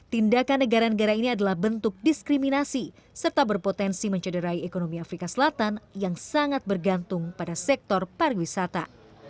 tindakan negara negara ini adalah bentuk diskriminasi serta berpotensi mencederai ekonomi afrika selatan yang sangat bergantung pada sektor pariwisata